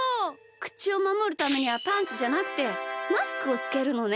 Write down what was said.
くちをまもるためにはパンツじゃなくてマスクをつけるのね。